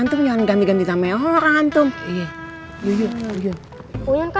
uyun antum yang